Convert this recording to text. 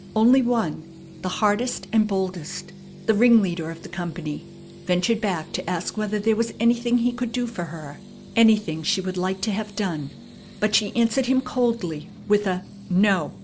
Only one, the hardest and boldest, the ringleader of the company, ventured back to ask whether there was anything he could do for her, anything she would like to have done; but she answered him coldly with a "No!"